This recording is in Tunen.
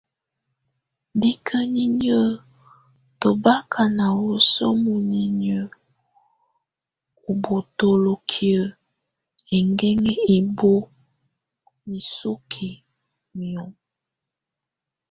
Bikəniniə́ tɔ baka na wəsu muinəniə ubotolokiə enguenŋɛ ibóo nisuki niom.